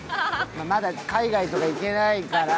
まだ海外とか行けないから。